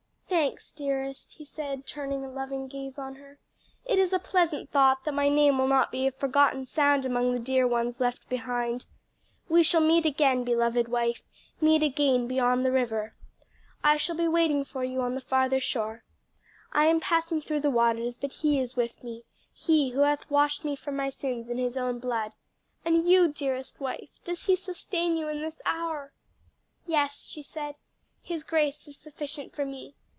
"Thanks, dearest," he said, turning a loving gaze on her, "it is a pleasant thought that my name will not be a forgotten sound among the dear ones left behind. We shall meet again, beloved wife, meet again beyond the river. I shall be waiting for you on the farther shore. I am passing through the waters, but He is with me, He who hath washed me from my sins in His own blood. And you, dearest wife does He sustain you in this hour?" "Yes," she said, "His grace is sufficient for me.